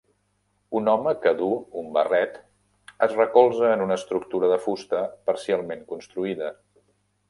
Un home que duu un barret es recolza en una estructura de fusta parcialment construïda.